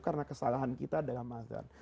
karena kesalahan kita dalam azan